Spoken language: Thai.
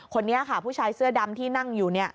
คนนี้ค่ะผู้ชายเสื้อดำที่นั่งอยู่